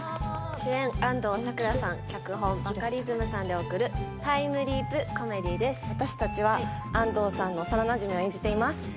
主演、安藤サクラさん、脚本、バカリズムさんで送る、タイムリープコメ私たちは安藤さんの幼なじみを演じています。